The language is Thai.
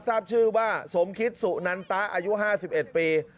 ทราบชื่อว่าสมคิตสุนันตะอายุ๕๑ปี